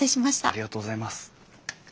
ありがとうございます。